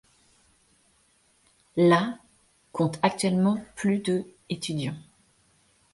La ' compte actuellement plus de étudiants.